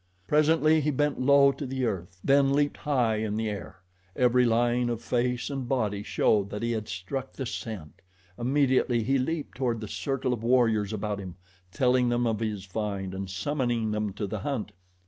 Presently he bent low to the earth, then leaped high in air. Every line of face and body showed that he had struck the scent. Immediately he leaped toward the circle of warriors about him, telling them of his find and summoning them to the hunt.